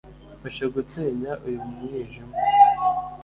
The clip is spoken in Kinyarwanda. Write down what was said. Mfasha gusenya uyu mwijima